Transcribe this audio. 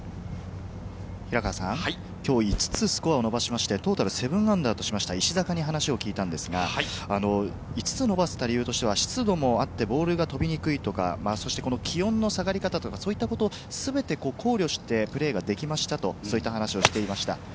きょう５つスコアを伸ばして、トータル−７とした石坂に話を聞いたのですが、５つ伸ばせた理由は湿度もあってボールが飛びにくいとか、気温の下がり方、そういったことを全て考慮してプレーが出来ましたと話をしていました。